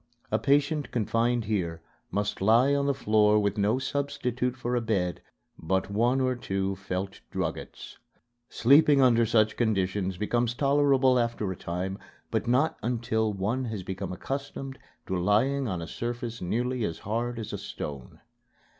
A patient confined here must lie on the floor with no substitute for a bed but one or two felt druggets. Sleeping under such conditions becomes tolerable after a time, but not until one has become accustomed to lying on a surface nearly as hard as a stone.